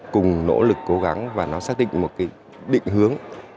cùng nỗ lực cố gắng và nó xác định một cái định hướng